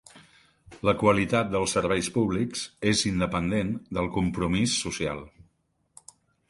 La qualitat dels serveis públics és independent del compromís social.